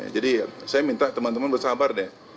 jadi saya minta teman teman bersabar deh